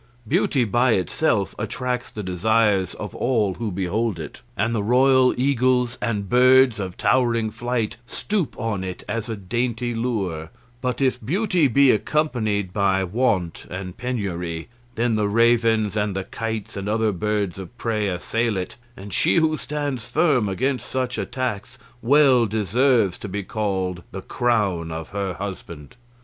Beauty by itself attracts the desires of all who behold it, and the royal eagles and birds of towering flight stoop on it as on a dainty lure; but if beauty be accompanied by want and penury, then the ravens and the kites and other birds of prey assail it, and she who stands firm against such attacks well deserves to be called the crown of her husband.